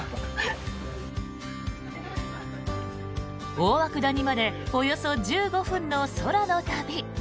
大涌谷までおよそ１５分の空の旅。